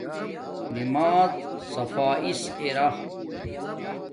نماز صفایس ارا